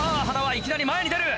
いきなり前に出る。